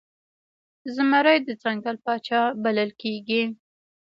زمری د ځنګل پاچا بلل کېږي.